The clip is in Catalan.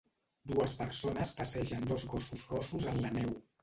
Dues persones passegen dos gossos rossos en la neu.